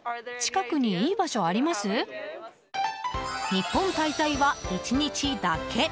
日本滞在は１日だけ。